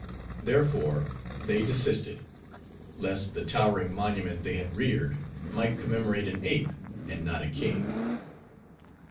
Therefore, they desisted; lest the towering monument they had reared, might commemorate an ape, and not a king.